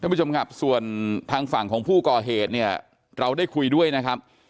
ผู้ชมครับส่วนทางฝั่งของผู้ก่อเหตุเนี่ยเราได้คุยด้วยนะครับ